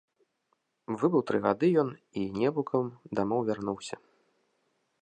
Выбыў тры гады ён і невукам дамоў вярнуўся.